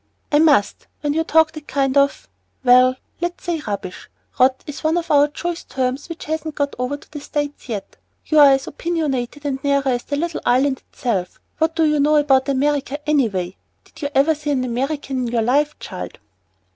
"I must when you talk that kind of well, let us say 'rubbish.' 'Rot' is one of our choice terms which hasn't got over to the States yet. You're as opiniated and 'narrer' as the little island itself. What do you know about America, any way? Did you ever see an American in your life, child?"